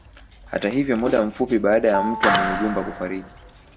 Hata hivyo muda mfupi baada ya Mtwa Munyigumba kufariki